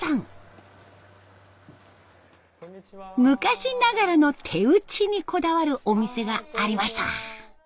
昔ながらの手打ちにこだわるお店がありました。